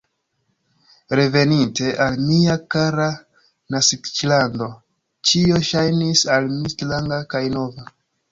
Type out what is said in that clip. Reveninte al mia kara naskiĝlando, ĉio ŝajnis al mi stranga kaj nova.